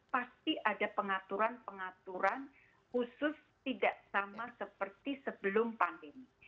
pasti ada pengaturan pengaturan khusus tidak sama seperti sebelum pandemi